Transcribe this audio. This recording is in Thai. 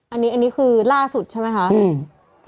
อันนี้อันนี้คือล่าสุดใช่ไหมคะอืม